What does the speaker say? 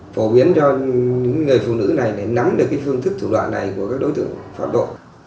phổ biến cho những người phụ nữ này nắm được phương thức thủ đoạn này của các đối tượng pháp độ